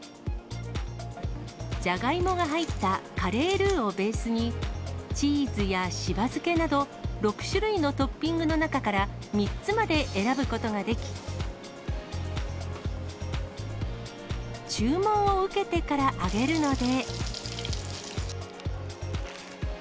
ジャガイモが入ったカレールーをベースに、チーズやしば漬けなど、６種類のトッピングの中から、３つまで選ぶことができ、注文を受けてから揚げるので。